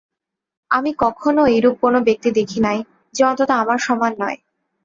আমি কখনও এইরূপ কোন ব্যক্তি দেখি নাই, যে অন্তত আমার সমান নয়।